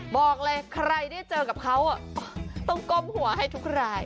บอกเลยใครได้เจอกับเขาต้องก้มหัวให้ทุกราย